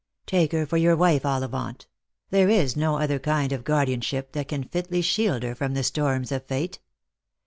" Take her for your wife, Ollivant; there is no other kind of guardianship that can fitly shield her from the storms of fate.